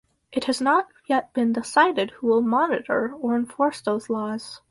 It has not yet been decided who will monitor or enforce those laws.